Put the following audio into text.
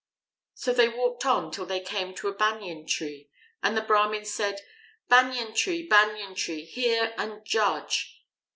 So they walked on till they came to a Banyan tree, and the Brahmin said, "Banyan tree, Banyan tree, hear and judge."